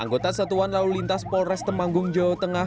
anggota satuan lalu lintas pol restem anggung jawa tengah